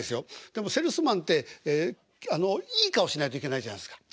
でもセールスマンっていい顔しないといけないじゃないですか。